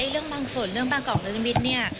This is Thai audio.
เรื่องบางส่วนเรื่องบางกล่องเรือนวิทย์นี่